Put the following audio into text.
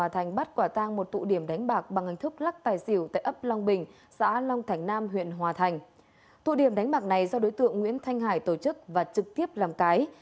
tụ điểm đánh bạc này do đối tượng nguyễn thanh hải tổ chức và trực tiếp làm cái